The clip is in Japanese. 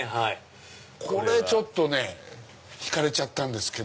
これちょっとね引かれちゃったんですけど。